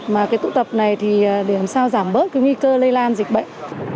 mà cái tụ tập này thì để làm sao giảm bớt cái nguy cơ lây lan dịch bệnh